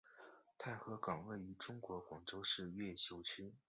太和岗位于中国广州市越秀区。